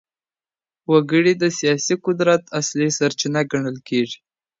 وګړي د سياسي قدرت اصلي سرچينه ګڼل کېږي.